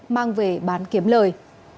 mang về bán kiếm lời